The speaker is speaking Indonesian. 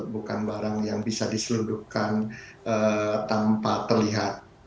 bukan barang yang bisa diselundupkan tanpa terlihat